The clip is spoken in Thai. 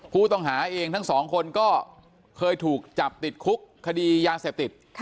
ผู้ต้องหาเองทั้งสองคนก็เคยถูกจับติดคุกคดียาเสพติด